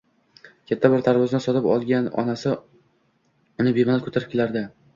Katta bir tarvuzni sotib olgan onasi uni bemalol ko`tarib kelardi